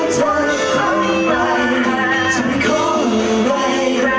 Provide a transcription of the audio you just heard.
ฉันจะรักคุณทุกคนมากครับผม